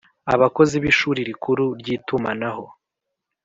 Abakozi b Ishuri Rikuru ry Itumanaho